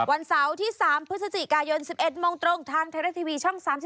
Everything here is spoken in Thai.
วันเสาร์ที่๓พฤศจิกายน๑๑โมงตรงทางไทยรัฐทีวีช่อง๓๒